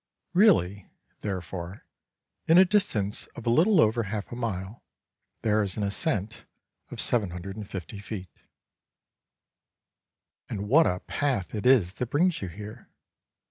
Really, therefore, in a distance of little over half a mile there is an ascent of 750 feet. And what a path it is that brings you here!